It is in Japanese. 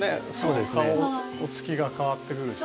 顔つきが変わってくるし。